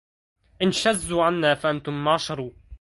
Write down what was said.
أنشزوا عنا فأنتم معشر